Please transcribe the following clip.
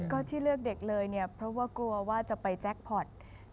ก็ที่เลือกเด็กเลยเนี่ยเพราะว่ากลัวว่าจะไปแจ็คพอร์ต